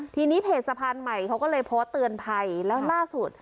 ทีนี้เพจสะพานใหม่เขาก็เลยโพสต์เตือนภัยแล้วล่าสุด